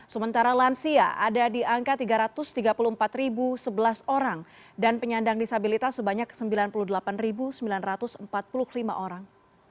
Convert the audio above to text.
sementara lansia ada di angka tiga ratus tiga puluh empat sebelas orang dan penyandang disabilitas sebanyak sembilan puluh delapan sembilan ratus empat puluh lima orang